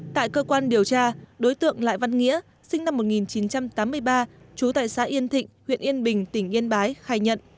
tại cơ quan điều tra đối tượng lại văn nghĩa sinh năm một nghìn chín trăm tám mươi ba trú tại xã yên thịnh huyện yên bình tỉnh yên bái khai nhận